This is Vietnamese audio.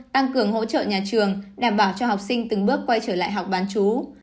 tăng cường hỗ trợ nhà trường đảm bảo cho học sinh từng bước quay trở lại học bán chú